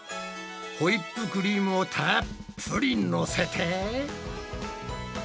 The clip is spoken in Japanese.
ホイップクリームをたっぷりのせて。